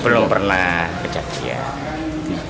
belum pernah kejadian